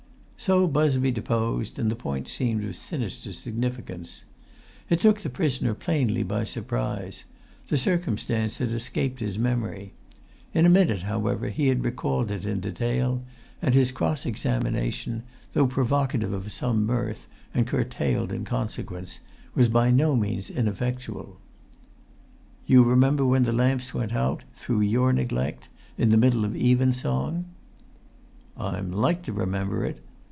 So Busby deposed; and the point seemed of sinister significance. It took the prisoner plainly by surprise: the circumstance had escaped his memory.[Pg 155] In a minute, however, he had recalled it in detail; and his cross examination, though provocative of some mirth, and curtailed in consequence, was by no means ineffectual. "You remember when the lamps went out, through your neglect, in the middle of even song?" "I'm like to remember it.